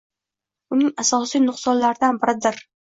Uning asosiy nuqtalaridan biridir.